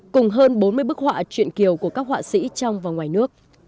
cùng hơn bốn mươi bức họa chuyện kiều của các họa sĩ trong và ngoài nước